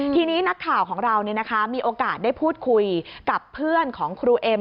ทีนี้นักข่าวของเรามีโอกาสได้พูดคุยกับเพื่อนของครูเอ็ม